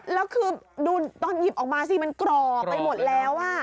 แล้วคือดูตอนหยิบออกมาสิมันกรอบไปหมดแล้ว